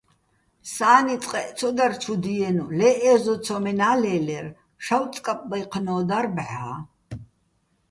სა́ნი წყეჸ ცო დარ ჩუ დიენო̆, ლე ე́ზო ცომენა́ ლე́ლერ, შავწკაპბაჲჴნო́ დარ ბჵა́.